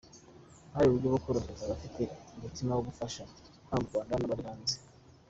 Hari uburyo bworohereza abafite umutima wo gufasha haba mu Rwanda n’abari hanze.